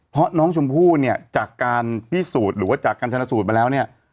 เพราะน้องชมพู่เนี่ยจากการพิสูจน์หรือว่าจากการชนะสูตรมาแล้วเนี่ย